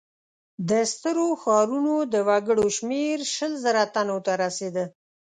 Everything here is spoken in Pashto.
د سترو ښارونو د وګړو شمېر شل زره تنو ته رسېده.